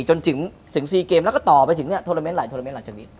จนถึงซีเกมแล้วก็ต่อไปถึงโทรเตอร์เมนต์หลายจากนี้